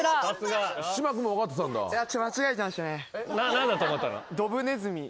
何だと思ったの？